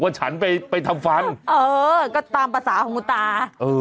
ว่าฉันไปทำฟันเออก็ตามภาษาภาคงงตา